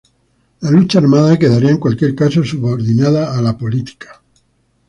La lucha armada quedaría en cualquier caso subordinada a la política.